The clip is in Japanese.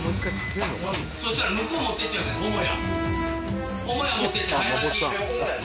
そしたら向こう持ってっちゃって母屋。